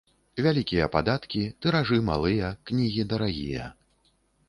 Вялікія падаткі, тыражы малыя, кнігі дарагія.